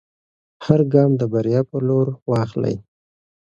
هر ګام د بریا په لور واخلئ.